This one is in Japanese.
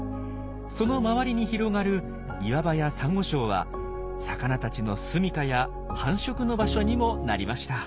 その周りに広がる岩場やサンゴ礁は魚たちのすみかや繁殖の場所にもなりました。